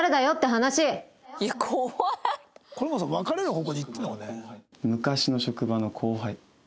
これもうさ別れる方向でいってんのかね？